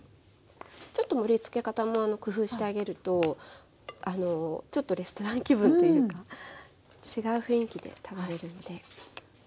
ちょっと盛りつけ方も工夫してあげるとちょっとレストラン気分というか違う雰囲気で食べれるんで。